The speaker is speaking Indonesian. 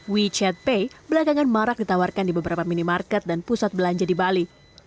wechat pay belakangan marak ditawarkan di beberapa minimarket dan pusat belanja di bali